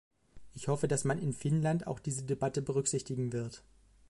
Ich hoffe, dass man in Finnland auch diese Debatte berücksichtigen wird.